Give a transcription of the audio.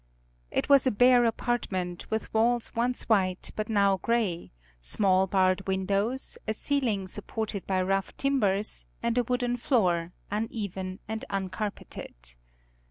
It was a bare apartment, with walls once white but now gray, small barred windows, a ceiling supported by rough timbers, and a wooden floor, uneven and uncarpeted.